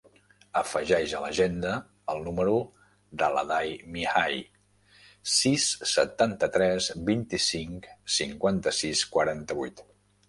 Afegeix a l'agenda el número de l'Aday Mihai: sis, setanta-tres, vint-i-cinc, cinquanta-sis, quaranta-vuit.